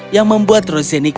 yang membuat rosine ikut